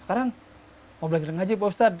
sekarang mau belajar ngaji pak ustadz